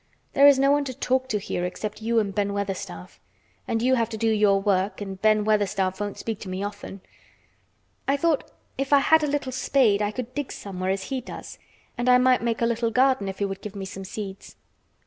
There is no one to talk to here except you and Ben Weatherstaff. And you have to do your work and Ben Weatherstaff won't speak to me often. I thought if I had a little spade I could dig somewhere as he does, and I might make a little garden if he would give me some seeds."